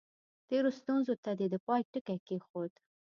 تېرو ستونزو ته یې د پای ټکی کېښود.